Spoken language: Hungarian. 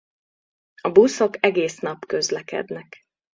A buszok egész nap közlekednek.